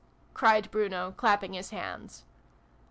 cried Bruno, clap ping his hands.)